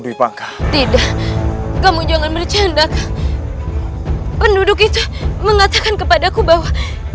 dwi bangga tidak kamu jangan bercanda penduduk itu mengatakan kepadaku bahwa